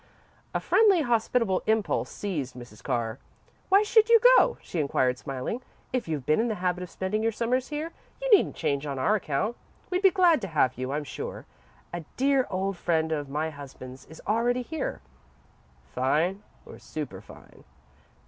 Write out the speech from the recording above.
A friendly, hospitable impulse seized Mrs. Carr. "Why should you go?" she inquired, smiling. "If you've been in the habit of spending your Summers here, you needn't change on our account. We'd be glad to have you, I'm sure. A dear old friend of my husband's is already here." "Fine or superfine?"